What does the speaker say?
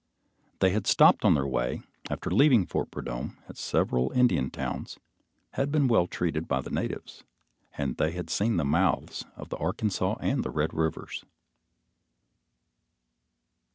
They had stopped on the way after leaving Fort Prudhomme, at several Indian towns, had been well treated by the natives, and they had seen the mouths of the Arkansas and the Red rivers.